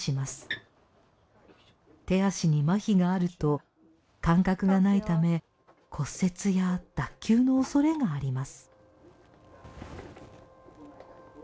手足にまひがあると感覚がないため骨折や脱臼の恐れがあります。